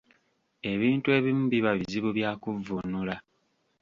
Ebintu ebimu biba bizibu bya kuvvuunula.